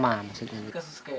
gak ada yang bisa dikawal